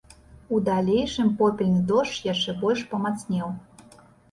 У далейшым попельны дождж яшчэ болей памацнеў.